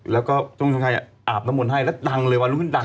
แล้วก็เจ้าคุณท้องชัยอาบน้ำมุนให้แล้วดังเลยว่ารู้ไหม